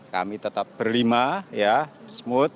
kami tetap berlima ya smooth